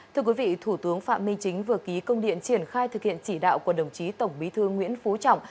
thưa quý vị thủ tướng phạm minh chính vừa ký công điện triển khai thực hiện chỉ đạo của đồng chí tổng bí thư nguyễn phú trọng